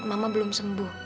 mama belum sembuh